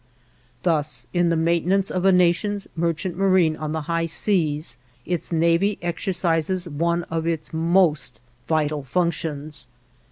Thus, in the maintenance of a nation's merchant marine on the high seas, its navy exercises one of its most vital functions.